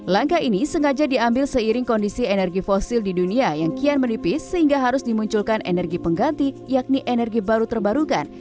langkah ini sengaja diambil seiring kondisi energi fosil di dunia yang kian menipis sehingga harus dimunculkan energi pengganti yakni energi baru terbarukan